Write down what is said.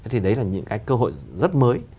thì đấy là những cơ hội rất mới